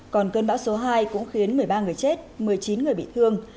còn cơn bão số hai cũng khiến một mươi ba người chết một mươi chín người bị thương